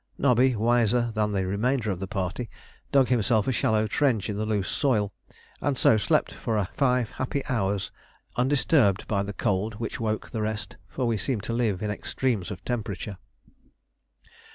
Nobby, wiser than the remainder of the party, dug himself a shallow trench in the loose soil, and so slept for five happy hours undisturbed by the cold which woke the rest; for we seemed to live in extremes of temperature.